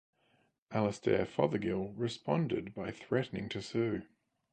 Alastair Fothergill responded by threatening to sue.